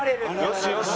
よしよし。